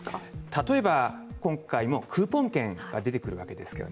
例えば、今回もクーポン券が出てくるわけですね。